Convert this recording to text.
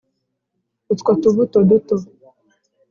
utwo tubuto duto